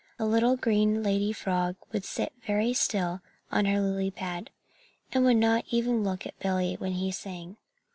The little green lady frog would sit very still on her lily pad, and would not even look at Billy when he sang.